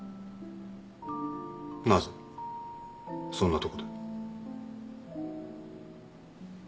なぜそんなとこで？